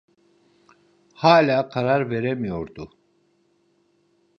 Hâlâ karar veremiyordu.